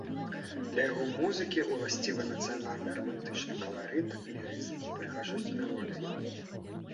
Для яго музыкі ўласцівы нацыянальны рамантычны каларыт, лірызм, прыгажосць мелодый.